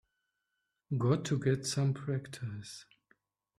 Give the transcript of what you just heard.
Got to get some practice.